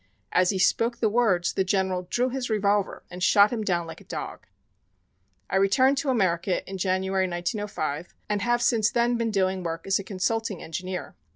As he spoke the words the General drew his revolver and shot him down like a dog. "I returned to America in January, 1905, and have since then been doing work as a consulting engineer.